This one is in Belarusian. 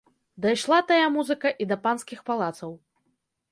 Дайшла тая музыка і да панскіх палацаў.